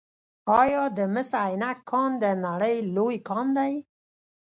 آیا د مس عینک کان د نړۍ لوی کان دی؟